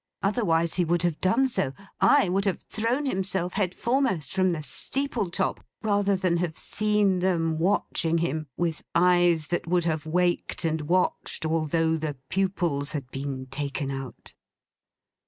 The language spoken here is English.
Otherwise he would have done so—aye, would have thrown himself, headforemost, from the steeple top, rather than have seen them watching him with eyes that would have waked and watched although the pupils had been taken out.